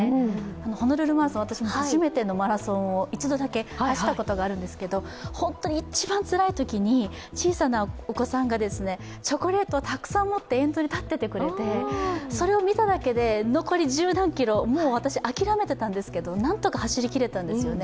ホノルルマラソン、私も初めてのマラソンを１度だけ走ったことがあるんですけれども、本当に一番つらいときに小さなお子さんがチョコレートをたくさん持って沿道に立っていてくれて、それを見ただけで残り十何キロ、私諦めていたんですけれども、なんとか走り切れたんですよね。